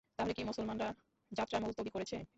তাহলে কি মুসলমানরা যাত্রা মুলতবি করেছে?